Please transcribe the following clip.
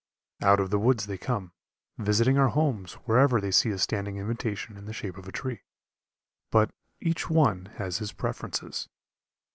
E. F. MOSBY. Out of the woods they come, visiting our homes wherever they see a standing invitation in the shape of a tree. But each one has his preferences.